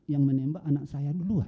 yang menembak anak saya duluan